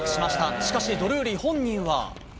しかし、ドルーリー本人は。